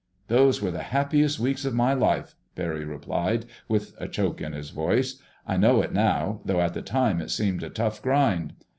"Those were the happiest weeks of my life," Barry replied with a choke in his voice. "I know it now, though at the time it seemed a tough grind."